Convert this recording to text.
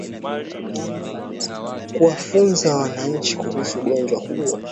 Kuwafunza wananchi kuhusu ugonjwa huo